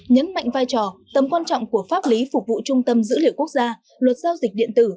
nhấn mạnh vai trò tầm quan trọng của pháp lý phục vụ trung tâm dữ liệu quốc gia luật giao dịch điện tử